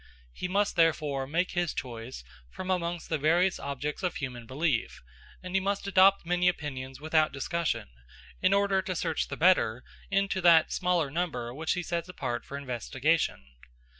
He must therefore make his choice from amongst the various objects of human belief, and he must adopt many opinions without discussion, in order to search the better into that smaller number which he sets apart for investigation.